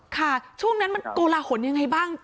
ช่วงนั้นมันโกลาหลยังไงบ้าง